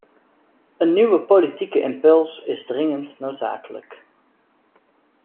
Een nieuwe politieke impuls is dringend noodzakelijk.